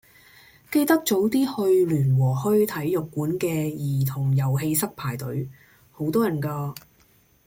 記得早啲去聯和墟體育館嘅兒童遊戲室排隊，好多人㗎。